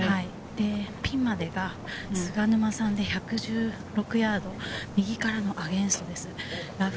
ピンまでが、菅沼さんで１１６ヤード、右からのアゲンストです。